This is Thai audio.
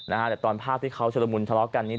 แต่ตอนภาพที่เขาชุลมุนทะเลาะกันนี้